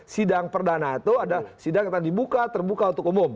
sidang perdana itu adalah sidang yang nyatakan dibuka terbuka untuk umum